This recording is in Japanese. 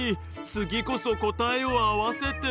つぎこそ答えを合わせて。